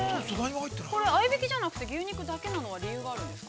◆合いびきじゃなくて、牛肉だけなのは理由があるんですか。